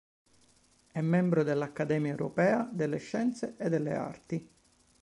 È membro dell'Accademia europea delle scienze e delle arti.